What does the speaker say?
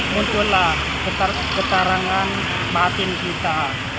muncullah ketarangan batin kita